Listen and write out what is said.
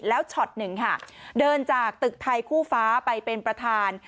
แล้วช็อตหนึ่งค่ะเดินจากตึกไทยคู่ฟ้าไปเป็นประธาน